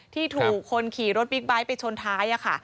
ที่ถูกคนขี่รถบิ๊กไบท์ไปชนท้าย